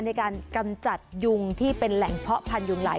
ในการกำจัดยุงที่เป็นแหล่งเพาะพันธุยุงหลาย